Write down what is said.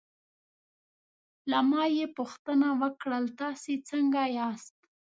له ما یې پوښتنه وکړل: تاسې څنګه یاست؟